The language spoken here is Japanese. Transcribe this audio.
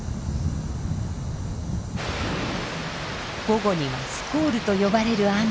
午後には「スコール」と呼ばれる雨。